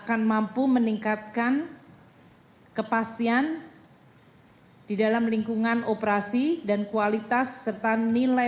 kementerian keuangan telah melakukan upaya upaya